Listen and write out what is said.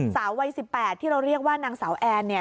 สาววัย๑๘ที่เราเรียกว่านางสาวแอนเนี่ย